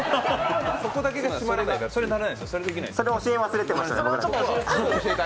それ教え忘れてました。